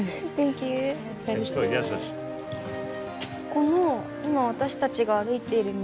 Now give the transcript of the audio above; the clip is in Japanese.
この今私たちが歩いている道。